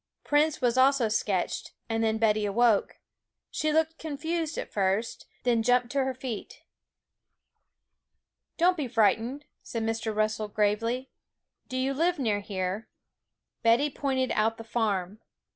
Prince was also sketched; and then Betty awoke. She looked confused at first, then jumped to her feet. 'Don't be frightened,' said Mr. Russell gravely. 'Do you live near here?' Betty pointed out the farm.